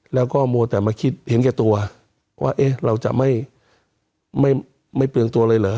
แล้วก็มัวแต่มาคิดเห็นแก่ตัวว่าเอ๊ะเราจะไม่เปลืองตัวเลยเหรอ